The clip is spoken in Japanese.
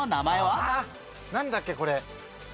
なんだっけ？これ。